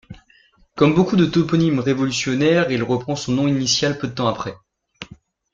Comme beaucoup de toponymes révolutionnaires, elle reprend son nom initial peu de temps après.